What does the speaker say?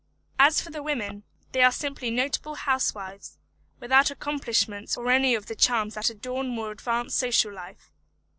As for the women, they are simply notable housewives; without accomplishments or any of the charms that adorn more advanced social life.